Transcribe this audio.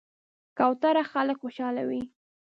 کوتره خلک خوشحالوي.